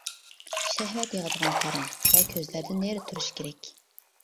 شەھۋەت ياغىدىغان پاراڭ ۋە كۆزلەردىن نېرى تۇرۇش كېرەك.